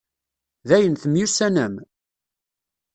Dayen, temyussanem?